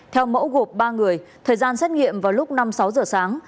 theo mẫu gộp ba người thời gian xét nghiệm vào lúc năm sáu giờ sáng